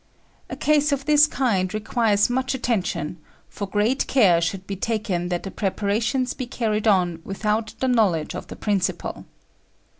A case of this kind requires much attention; for great care should be taken that the preparations be carried on without the knowledge of the principal.